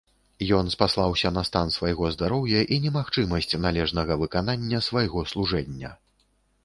Ён спаслаўся на стан свайго здароўя і немагчымасць належнага выканання свайго служэння.